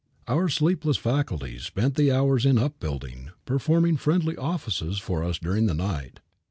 Our sleepless faculties spent the hours in upbuilding, performing friendly offices for us during the night.